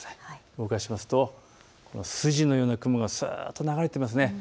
動かしますと筋のような雲がすーっと流れています。